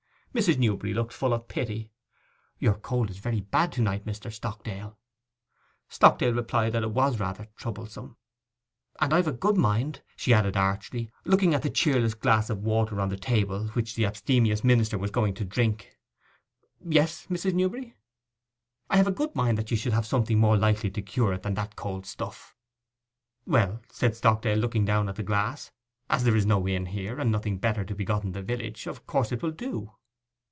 Mrs. Newberry looked full of pity. 'Your cold is very bad to night, Mr. Stockdale.' Stockdale replied that it was rather troublesome. 'And I've a good mind'—she added archly, looking at the cheerless glass of water on the table, which the abstemious minister was going to drink. 'Yes, Mrs. Newberry?' 'I've a good mind that you should have something more likely to cure it than that cold stuff.' 'Well,' said Stockdale, looking down at the glass, 'as there is no inn here, and nothing better to be got in the village, of course it will do.